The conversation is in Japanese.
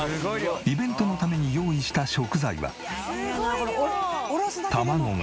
イベントのために用意した食材は。